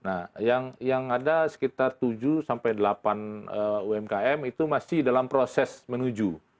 nah yang ada sekitar tujuh sampai delapan umkm itu masih dalam proses menuju